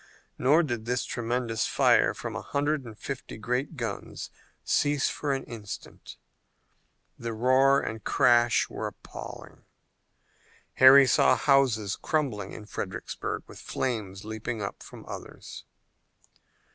Nor did this tremendous fire from a hundred and fifty great guns cease for an instant. The roar and crash were appalling. Harry saw houses crumbling in Fredericksburg, with flames leaping up from others.